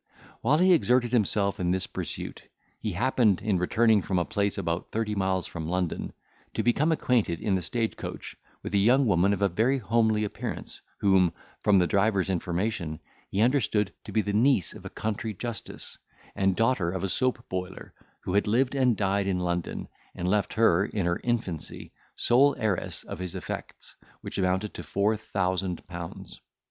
While he exerted himself in this pursuit, he happened, in returning from a place about thirty miles from London, to become acquainted, in the stage coach, with a young woman of a very homely appearance, whom, from the driver's information, he understood to be the niece of a country justice, and daughter of a soap boiler, who had lived and died in London, and left her, in her infancy, sole heiress of his effects, which amounted to four thousand pounds.